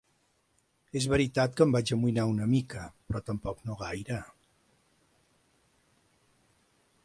És veritat que em vaig amoïnar una mica, però tampoc no gaire.